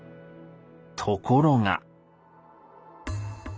ところが。